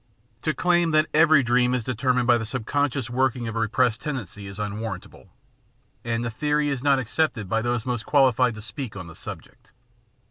To claim that every dream is determined by the sub conscious working of a repressed tendency is unwarrantable, and the theory is not accepted by those most qualified to speak on the subject.